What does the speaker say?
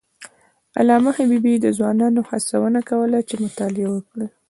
علامه حبیبي د ځوانانو هڅونه کوله چې مطالعه وکړي.